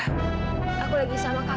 aku lagi sama kak